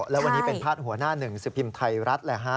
และวันนี้เป็นภาษาหัวหน้าหนึ่งสิบพิมพ์ไทยรัฐ